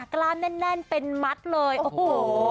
กล้ามแน่นเป็นมัดเลยโอ้โห